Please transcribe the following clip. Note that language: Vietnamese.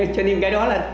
cho nên cái đó là